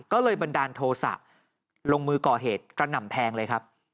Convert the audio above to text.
ก็เลยบันดาลโทษะลงมือก่อเหตุกระหน่ำแทงเลยครับ